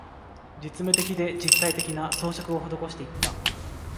実務的で、実際的な、装飾を施していった